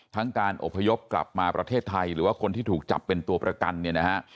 การอบพยพกลับมาประเทศไทยหรือว่าคนที่ถูกจับเป็นตัวประกันเนี่ยนะฮะ